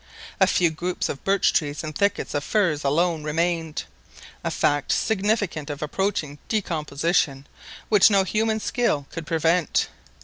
A few groups of birch trees and thickets of firs alone remained—a fact significant of approaching decomposition, which no human skill could prevent!